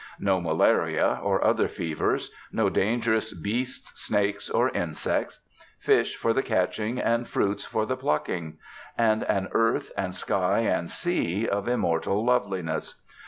No malaria or other fevers. No dangerous beasts, snakes, or insects. Fish for the catching, and fruits for the plucking. And an earth and sky and sea of immortal loveliness.